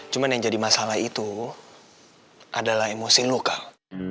cuman yang jadi masalah itu adalah emosi lo kal